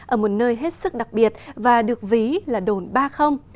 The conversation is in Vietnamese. ở một nơi hết sức đặc biệt và được ví là đồn ba